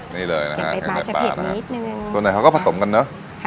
นี่เลยนะฮะเก็บไปแปลกเท็จนิดหนึ่งตัวไหนเขาก็ผสมกันเนอะใช่